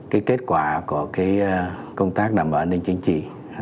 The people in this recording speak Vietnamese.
cái kết quả của cái công tác đảm bảo an ninh chính trị